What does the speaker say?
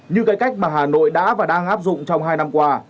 như cái cách mà hà nội đã và đang áp dụng trong hai năm qua